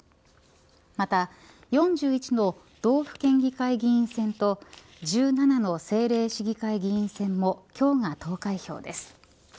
また４１の道府県議会議員選と１７の政令市議会議員選も今日が投開票です。